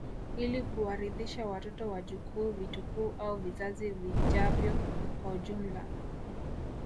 Ili kuwarithisha watoto wajukuu vitukuu au vizazi vijavyo kwa ujumla